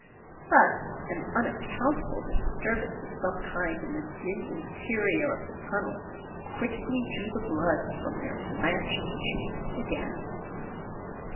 But an unaccountable disturbance of some kind in the dim interior of the tunnel quickly drew the blood from their blanched cheeks again.